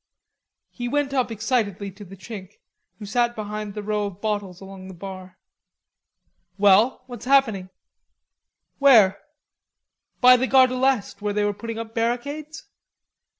He went up excitedly to the Chink, who sat behind the row of bottles along the bar. "Well, what's happening?" "Where?" "By the Gare de l'Est, where they were putting up barricades?"